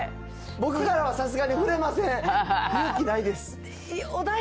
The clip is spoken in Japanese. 僕からはさすがに、すみません。